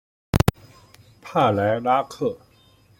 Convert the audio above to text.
帕莱拉克。